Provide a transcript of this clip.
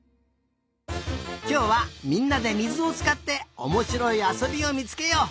きょうはみんなでみずをつかっておもしろいあそびをみつけよう。